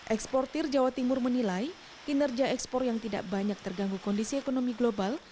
eksportir jawa timur menilai kinerja ekspor yang tidak banyak terganggu kondisi ekonomi global